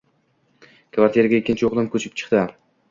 Kvartiraga ikkinchi o`g`lim ko`chib chiqdi